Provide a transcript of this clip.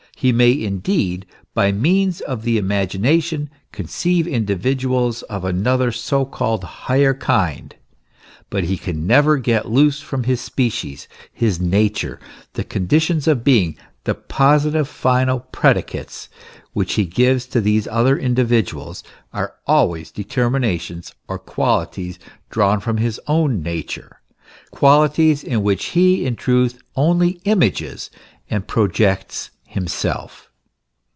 He may indeed by means of the imagination conceive individuals of another so called higher kind, but he can never get loose from his species, his nature; the conditions of being, the positive final predicates which he gives to these other indivi duals, are always determinations or qualities drawn from his own nature qualities in which he in truth only images and projects himself.